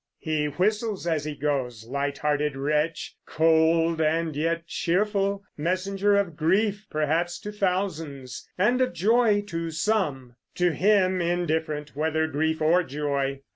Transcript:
He whistles as he goes, light hearted wretch, Cold and yet cheerful: messenger of grief Perhaps to thousands, and of joy to some; To him indifferent whether grief or joy.